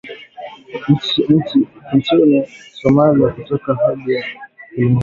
nchini Somalia katika juhudi za kulilenga vyema kundi la al-Shabaab na viongozi wake